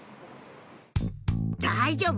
大丈夫